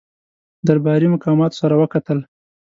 درباري مقاماتو سره وکتل.